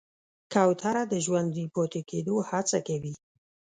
کوتره د ژوندي پاتې کېدو هڅه کوي.